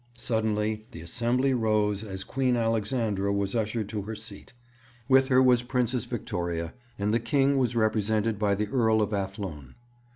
Suddenly the assembly rose as Queen Alexandra was ushered to her seat. With her was Princess Victoria; and the King was represented by the Earl of Athlone.